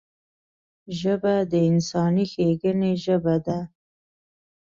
ژبه د انساني ښیګڼې ژبه ده